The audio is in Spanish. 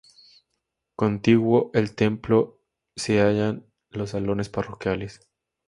Contiguo al Templo se hallan los salones parroquiales.